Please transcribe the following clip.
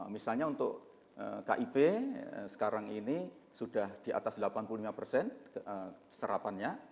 misalnya untuk kip sekarang ini sudah di atas delapan puluh lima persen serapannya